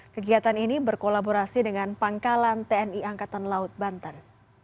kegiatan ini berkolaborasi dengan pangkalan tni angkatan laut banten